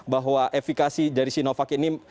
bahwa efikasi dari sinovac ini